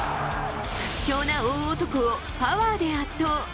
屈強な大男をパワーで圧倒。